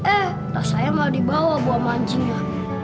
eh tas saya malah dibawa buah mancingnya